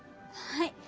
はい。